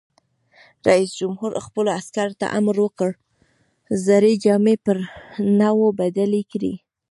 رئیس جمهور خپلو عسکرو ته امر وکړ؛ زړې جامې پر نوو بدلې کړئ!